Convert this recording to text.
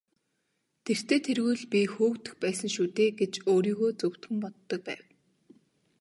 Тэртэй тэргүй л би хөөгдөх байсан шүү дээ гэж өөрийгөө зөвтгөн боддог байв.